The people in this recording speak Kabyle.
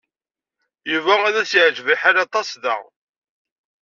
Yuba ad as-yeɛjeb lḥal aṭas da.